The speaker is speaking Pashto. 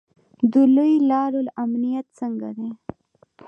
د لویو لارو امنیت څنګه دی؟